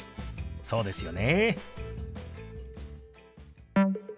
そうですよね。